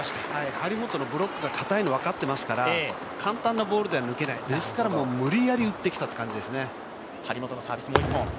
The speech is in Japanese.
張本のブロックがかたいの分かってますから簡単なボールでは抜けない、ですから無理やり打ってきた感じですね。